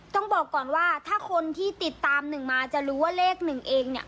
ต้องบอกก่อนว่าถ้าคนที่ติดตามหนึ่งมาจะรู้ว่าเลขหนึ่งเองเนี่ย